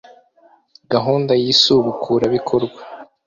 Gahunda y isubukurabikorwa